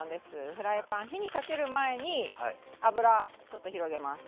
フライパン火にかける前に油ちょっと広げます。